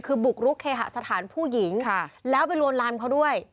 คือบุกรุกเคหสถานผู้หญิงแล้วไปลวนลามเขาด้วย